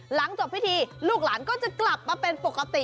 หลังจบพิธีลูกหลานก็จะกลับมาเป็นปกติ